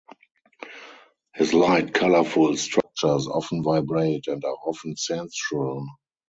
His light colorful structures often vibrate and are often sensual.